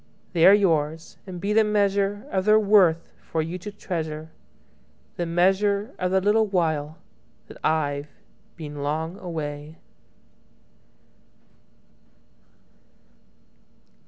They are yours, and be the measureOf their worth for you to treasure, The measure of the little whileThat I've been long away.